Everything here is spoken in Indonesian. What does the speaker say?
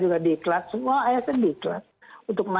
baik pak romli pak indra